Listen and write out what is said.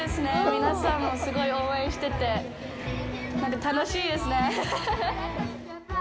皆さんも、すごい応援してて楽しいですね。